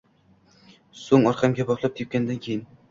so’ng orqamga boplab tepgandan keyin